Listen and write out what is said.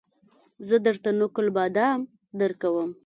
زه درته نقل بادام درکوم